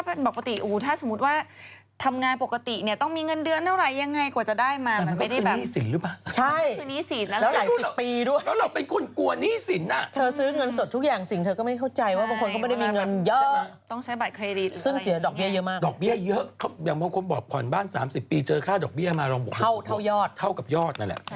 รู้สึกตัวมีเครดิต